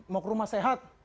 mau ke rumah sehat